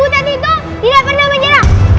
tidak pernah menyerah